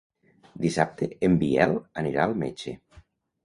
Dissabte en Biel anirà al metge.